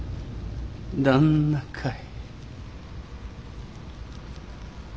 旦那かい。